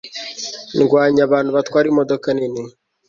Ndwanya abantu batwara imodoka nini